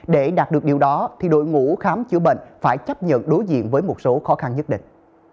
để đạt được điều đó thì đội ngũ khám chữa bệnh phải chấp nhận đối diện với một số khó khăn nhất định